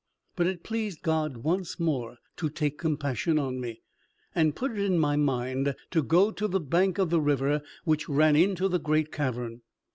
But it pleased God once more to take compassion on me, and put it in my mind to go to the bank of the river which ran into the great cavern.